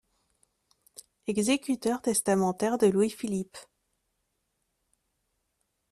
Exécuteur testamentaire de Louis-Philippe.